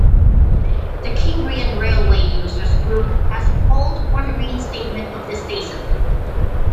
The Cambrian railway users group has called for the reinstatement of this station.